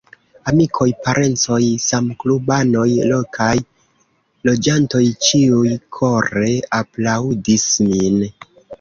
Amikoj, parencoj, samklubanoj, lokaj loĝantoj, ĉiuj kore aplaŭdis min.